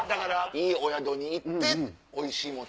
いいお宿に行っておいしいもん